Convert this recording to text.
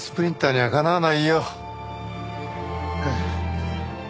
はい。